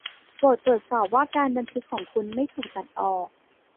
โปรดตรวจสอบว่าการบันทึกของคุณไม่ถูกตัดออก